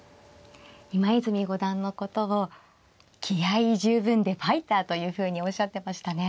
今泉五段のことを気合い十分でファイターというふうにおっしゃってましたね。